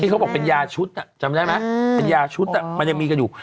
เขาบอกเป็นยาชุดจำได้ไหมเป็นยาชุดมันยังมีกันอยู่